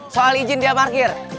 soal izin dia parkir